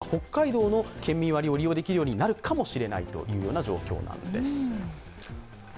九州に住んでいる人が北海道の県民割を利用できるようになるかもしれないという状況です。